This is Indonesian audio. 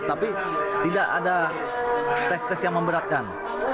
tapi tidak ada tes tes yang memberatkan